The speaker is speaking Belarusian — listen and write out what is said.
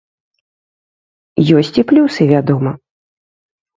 Ёсць і плюсы, вядома.